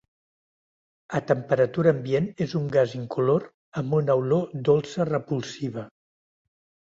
A temperatura ambient és un gas incolor amb una olor dolça repulsiva.